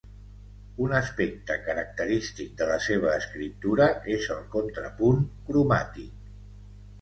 Un aspecte característic de la seva escriptura és el contrapunt cromàtic.